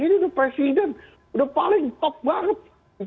ini tuh presiden udah paling top banget